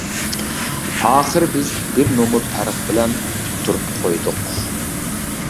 ئاخىرى بىز بىر نومۇر پەرق بىلەن ئۇتتۇرۇپ قويدۇق.